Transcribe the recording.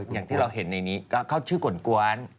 อย่างที่เราเห็นในนี้ก็เขาชื่อกล้วน